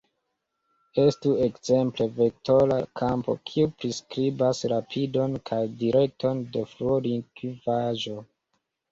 Estu ekzemple vektora kampo kiu priskribas rapidon kaj direkton de fluo de likvaĵo.